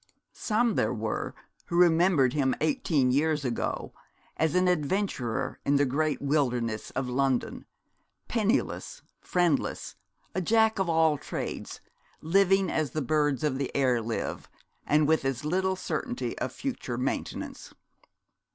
Some there were who remembered him eighteen years ago as an adventurer in the great wilderness of London, penniless, friendless, a Jack of all trades, living as the birds of the air live, and with as little certainty of future maintenance.